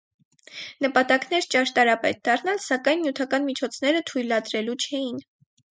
Նպատակն էր ճարտարապետ դառնալ, սակայն նիւթական միջոցները թոյլատրելու չէին։